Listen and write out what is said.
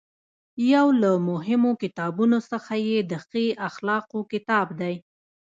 یو له مهمو کتابونو څخه یې د ښې اخلاقو کتاب دی.